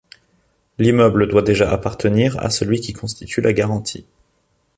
L'immeuble doit déjà appartenir à celui qui constitue la garantie.